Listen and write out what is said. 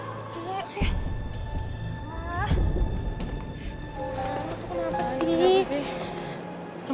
lo tuh kenapa sih